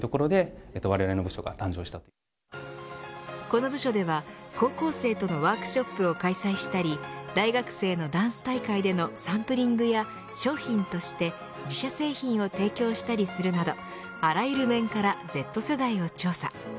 この部署では高校生とのワークショップを開催したり大学生のダンス大会でのサンプリングや商品として自社製品を提供したりするなどあらゆる面からＺ世代を調査。